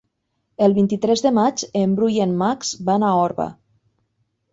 El vint-i-tres de maig en Bru i en Max van a Orba.